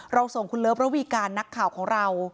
ส่งคุณเลิฟระวีการนักข่าวของเรา